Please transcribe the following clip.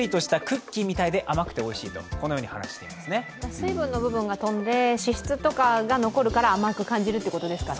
水分の部分が飛んで脂質とかが残るから甘く感じるということですかね。